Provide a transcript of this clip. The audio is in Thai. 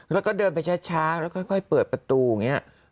แล้วก็เดินไปช้าแล้วค่อยเปิดประตูอย่างนี้